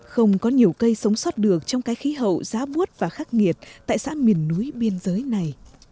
không có nhiều cây sống sót được trong cái khí hậu giá bút và khắc nghiệt tại xã miền núi biên giới này